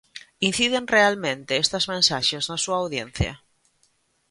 Inciden realmente estas mensaxes na súa audiencia?